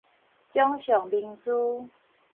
掌上明珠